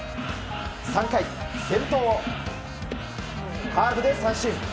３回、先頭をカーブで三振。